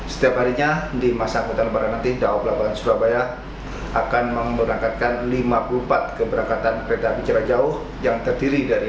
setiap harinya di masa angkutan lebaran nanti daob delapan surabaya akan memberangkatkan lima puluh empat keberangkatan kereta bicara jauh yang terdiri dari